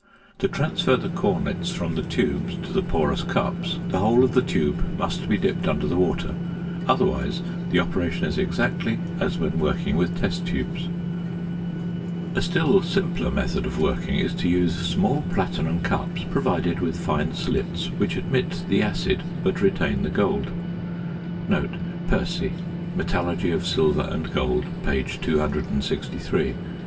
To transfer the cornets from the tubes to the porous cups the whole of the tube must be dipped under the water; otherwise the operation is exactly as when working with test tubes. A still simpler method of working is to use small platinum cups provided with fine slits which admit the acid but retain the gold.